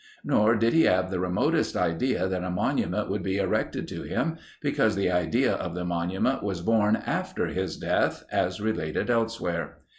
Nor did he have the remotest idea that a monument would be erected to him, because the idea of the monument was born after his death, as related elsewhere.